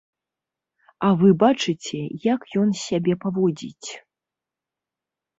А вы бачыце, як ён сябе паводзіць?